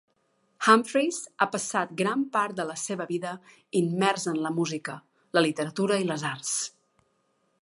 Humphries ha passat gran part de la seva vida immers en la música, la literatura i les arts.